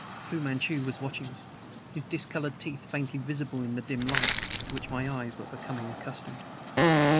Fu Manchu was watching us, his discolored teeth faintly visible in the dim light, to which my eyes were becoming accustomed.